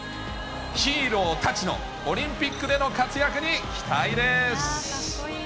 ヒーローたちのオリンピックでの活躍に期待です。